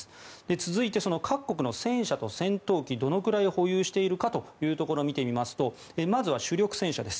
続いて、各国の戦車と戦闘機どのくらい保有しているか見ていきますとまずは主力戦車です。